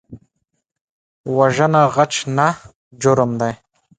وژنه غچ نه، جرم دی